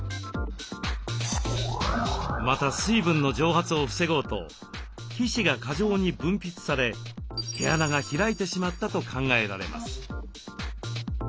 また水分の蒸発を防ごうと皮脂が過剰に分泌され毛穴が開いてしまったと考えられます。